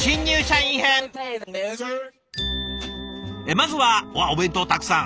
まずはお弁当たくさん。